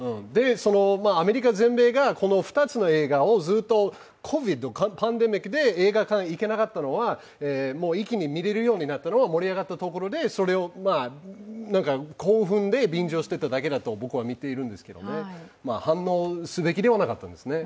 アメリカ全米が２つの映画をずっとＣＯＶＩＤ、パンデミックで映画館に行けなかったのに、一気に行けるようになったのが盛り上がったところで、それを興奮で便乗していっただけだと僕は見ていますけど反応すべきではなかったですね。